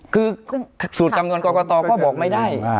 คือสูตรจำนวนกรกตก็บอกไม่ได้